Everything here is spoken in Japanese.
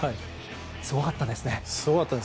すごかったですね。